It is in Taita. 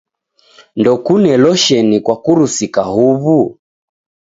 Ndokune losheni kwakurusika huw'u?